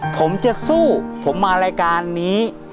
ผมจะสู้ผมมารายการนี้